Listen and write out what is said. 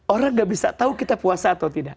orang gak bisa tahu kita puasa atau tidak